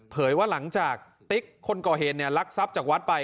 ว่าหลังจากติ๊กคนก่อเหตุลักทรัพย์จากวัดไป